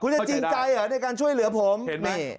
คุณจะจริงใจเหรอในการช่วยเหลือผมนี่